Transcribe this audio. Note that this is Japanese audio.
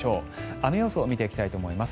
雨予想見ていきたいと思います。